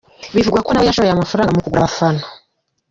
bivugwa ko nawe yashoye amafaranga mu kugura abafana.